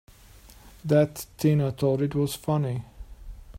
That Tina thought it was funny!